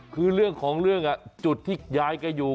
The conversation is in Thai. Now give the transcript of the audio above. คือเรื่องของเรื่องจุดที่ยายแกอยู่